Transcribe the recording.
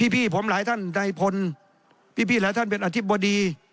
พี่ผมหลายท่านนายพลพี่หลายท่านเป็นอธิบดี